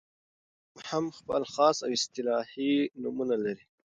، نو اسلامي حكومت هم خپل خاص او اصطلاحي نومونه لري